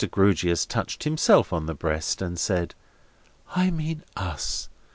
Grewgious touched himself on the breast, and said: "I mean us.